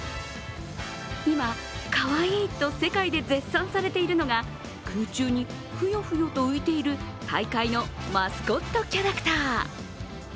今、かわいいと世界で絶賛されているのが空中にフヨフヨと浮いている大会のマスコットキャラクター。